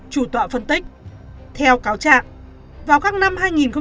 chủ tọa phân tích theo cáo trạng vào các năm hai nghìn một mươi bảy hai nghìn một mươi tám